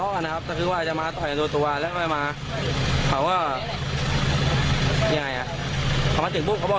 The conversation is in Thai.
แม่โชคดีนะไม่ถึงตายนะ